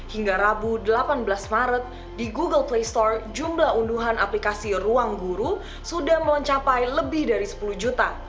hingga rabu delapan belas maret di google play store jumlah unduhan aplikasi ruang guru sudah mencapai lebih dari sepuluh juta